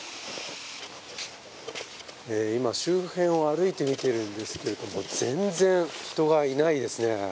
今、周辺を歩いてみているんですけれども、全然人がいないですね。